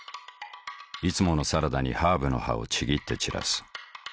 いつものサラダにハーブの葉をちぎって散らす。